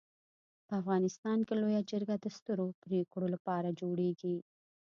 په افغانستان کي لويه جرګه د سترو پريکړو لپاره جوړيږي.